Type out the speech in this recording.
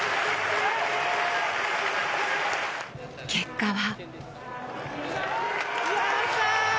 結果は。